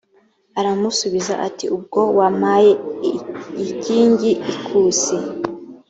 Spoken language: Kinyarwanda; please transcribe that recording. aramusubiza ati ubwo wampaye igikingi ikusi